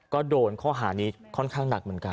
ก็โดนข้อหานี้ค่อนข้างหนักเหมือนกัน